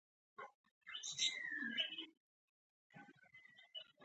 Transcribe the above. سپینو پرخو چې دا وړانګې ولیدلي.